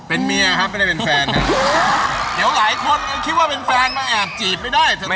เป็นเมียครับไม่ได้เป็นแฟนนะ